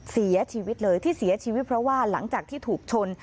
เสียชีวิตเลยที่เสียชีวิตเพราะว่าหลังจากที่ถูกชน